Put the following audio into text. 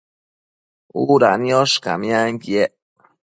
Uda niosh camianquiec